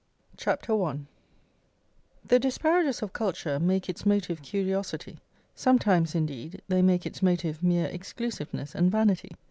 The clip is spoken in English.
CHAPTER I The disparagers of culture make its motive curiosity; sometimes, indeed, they make its motive mere exclusiveness and vanity.